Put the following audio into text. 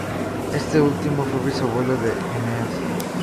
Este último fue bisabuelo de Eneas.